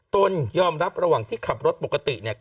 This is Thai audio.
ตนยอมรับระหว่างที่ขับรถปกติเนี่ย